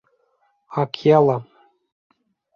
— Акела!